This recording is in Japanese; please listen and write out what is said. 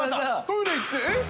トイレ行ってえっ？